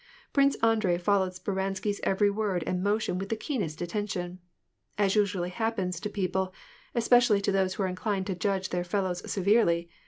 Prince Andrei followed Speransky 's every word and motion with the keenest attention. As usually happens to people, especially to those who are inclined to judge their fellows severely.